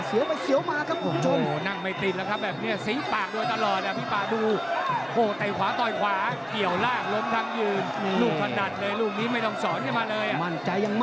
เสียวไปเสียวมาครับผมจม